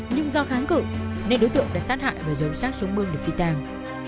nhưng do kháng cự nên đối tượng đã sát hại và giống sát xuống mương được phi tàng